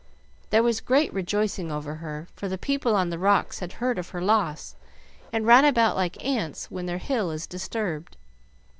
There was great rejoicing over her, for the people on the rocks had heard of her loss, and ran about like ants when their hill is disturbed.